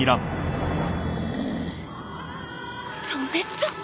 止めた！？